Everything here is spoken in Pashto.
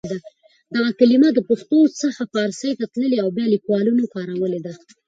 دغه کلمه له پښتو څخه پارسي ته تللې او بیا لیکوالانو کارولې ده.